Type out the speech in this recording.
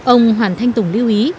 ông hoàn thanh tùng lưu ý